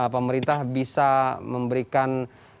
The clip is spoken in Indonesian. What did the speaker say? pemerintah bisa memberikan